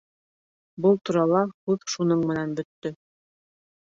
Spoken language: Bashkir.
Был турала һүҙ шуның менән бөттө.